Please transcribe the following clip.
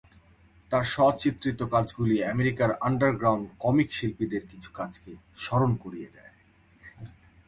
তাঁর স্ব-চিত্রিত কাজগুলি আমেরিকার আন্ডারগ্রাউন্ড কমিক শিল্পীদের কিছু কাজকে স্মরণ করিয়ে দেয়।